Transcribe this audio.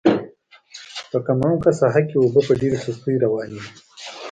په کم عمقه ساحه کې اوبه په ډېره سستۍ روانې وې.